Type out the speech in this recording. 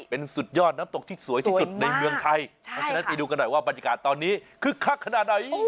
เป็นสุดยอดน้ำตกที่สวยที่สุดในเมืองไทยเพราะฉะนั้นไปดูกันหน่อยว่าบรรยากาศตอนนี้คึกคักขนาดไหน